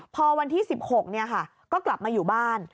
พอวันที่๑๖ก็กลับมาอยู่บ้าน